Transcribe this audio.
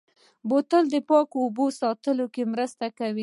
بوتل د پاکو اوبو ساتلو کې مرسته کوي.